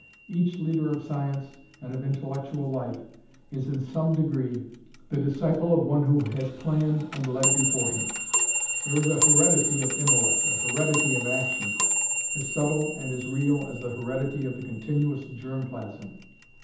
Each leader of science and of intellectual life is in some degree the disciple of one who has planned and led before him. There is a heredity of intellect, a heredity of action, as subtle and as real as the heredity of the continuous germ plasm.